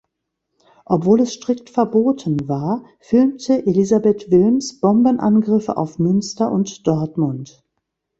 Obwohl es strikt verboten war, filmte Elisabeth Wilms Bombenangriffe auf Münster und Dortmund.